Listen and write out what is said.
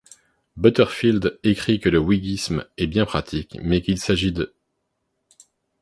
Butterfield écrit que le whiggisme est bien pratique mais qu'il s'agit d'.